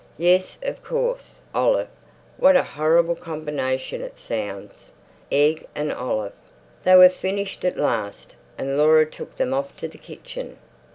"Yes, of course, olive. What a horrible combination it sounds. Egg and olive." They were finished at last, and Laura took them off to the kitchen.